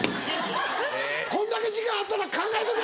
こんだけ時間あったら考えとけ！